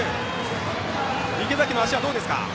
池崎の足はどうですか？